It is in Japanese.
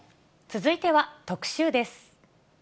続いては特集です。